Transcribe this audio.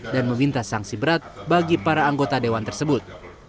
dan meminta sanksi berat bagi para anggota dewan tersebut